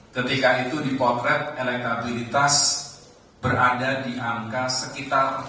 ketika itu dipotret elektabilitas berada di angka sekitar